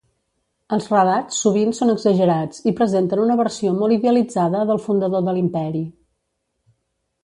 Els relats sovint són exagerats i presenten una versió molt idealitzada del fundador de l'Imperi.